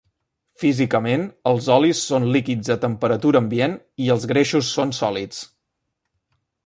Físicament, els olis són líquids a temperatura ambient i els greixos són sòlids.